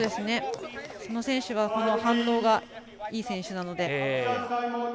佐野選手は反応がいい選手なので。